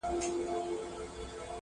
یار اخیستی همېشه د ښکلو ناز دی.